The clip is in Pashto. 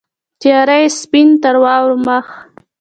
تیاره یې سپین تر واورو مخ